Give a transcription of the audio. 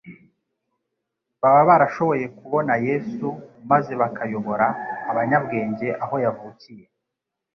Baba barashoboye kubona Yesu maze bakayobora abanyabwenge aho yavukiye.